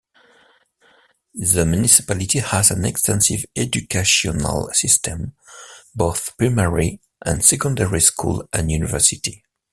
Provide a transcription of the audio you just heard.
The municipality has an extensive educational system, both primary and secondary school and university.